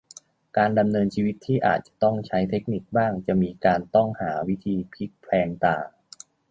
การดำเนินชีวิตที่อาจจะต้องใช้เทคนิคบ้างจะมีการต้องหาวิธีพลิกแพลงต่าง